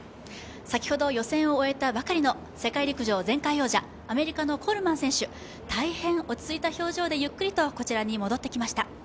先ほど予選を終えたばかりの世界陸上前回王者、アメリカのコールマン選手、大変、落ち着いた表情でゆっくりとこちらに戻ってきました。